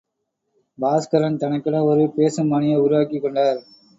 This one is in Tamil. பாஸ்கரன் தனக்கென ஒரு பேசும் பாணியை உருவாக்கிக் கொண்டார்.